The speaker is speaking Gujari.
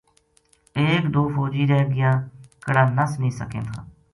ایک دو فوجی رہ گیاکِہڑا نس نیہہ سکیں تھا